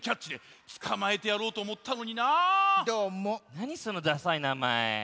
なにそのダサいなまえ？